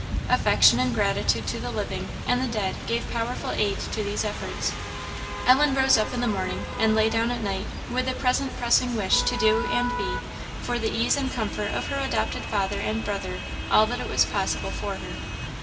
Affection and gratitude to the living and the dead, gave powerful aid to these efforts. Ellen rose up in the morning, and lay down at night, with the present pressing wish to do and be, for the ease and comfort of her adopted father and brother, all that it was possible for her.